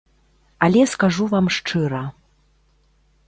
Але скажу вам шчыра.